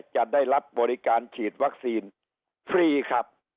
จะได้รับบริการฉีดวัคซีนฟรีครับ